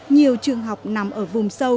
nhiều trường học nằm ở vùng sâu